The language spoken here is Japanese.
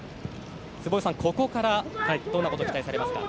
坪井さん、ここからどんなことを期待されますか？